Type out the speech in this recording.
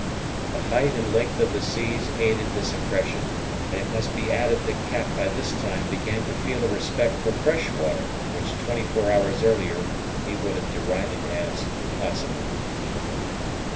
The height and length of the seas aided this impression; and it must be added that Cap by this time began to feel a respect for fresh water which twenty four hours earlier he would have derided as impossible.